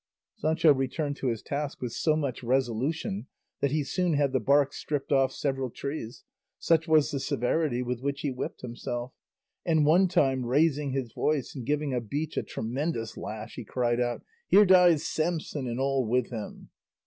Sancho returned to his task with so much resolution that he soon had the bark stripped off several trees, such was the severity with which he whipped himself; and one time, raising his voice, and giving a beech a tremendous lash, he cried out, "Here dies Samson, and all with him!"